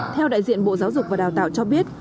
theo đại diện bộ giáo dục và đào tạo cho biết